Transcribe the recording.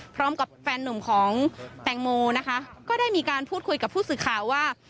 พร้อมกับแฟนหนุ่มของแตงโมนะคะก็ได้มีการพูดคุยกับผู้สื่อข่าวว่า